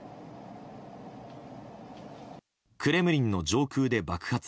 クレムリンの上空で爆発。